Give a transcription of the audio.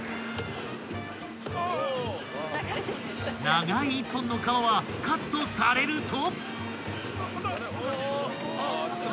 ［長い１本の皮はカットされると］